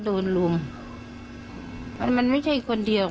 ต้องหลายคนนะเค้ามันไม่ใช่คนเดียวหรอก